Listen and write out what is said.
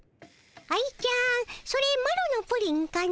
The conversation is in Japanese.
愛ちゃんそれマロのプリンかの。